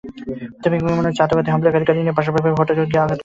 প্রাথমিকভাবে মনে হচ্ছে, আত্মঘাতী হামলাকারী গাড়ি নিয়ে বাসভবনের ফটকে গিয়ে আঘাত করে।